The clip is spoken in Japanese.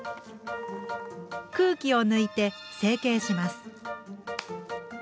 空気を抜いて成形します。